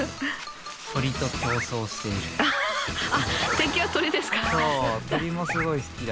敵は鳥ですか？